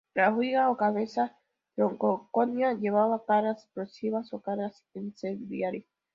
La ojiva o cabeza troncocónica llevaba cargas explosivas o cargas incendiarias.